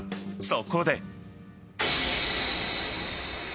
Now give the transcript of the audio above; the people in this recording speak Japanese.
そこで。